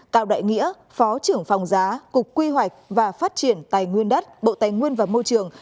tạo đại nghĩa phó trưởng phòng giá cục quy hoạch và phát triển tài nguyên đất bộ tài nguyên và môi trường